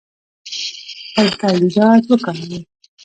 خپل تولیدات وکاروئ